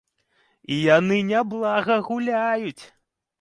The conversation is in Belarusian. І яны няблага гуляюць!